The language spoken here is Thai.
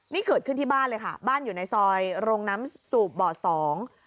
นี่เกิดขึ้นที่บ้านเลยค่ะบ้านอยู่ในซอยโรงน้ำสูบบ่อสอง